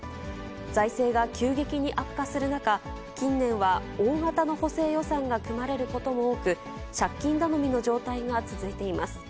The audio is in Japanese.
財政が急激に悪化する中、近年は大型の補正予算が組まれることも多く、借金頼みの状態が続いています。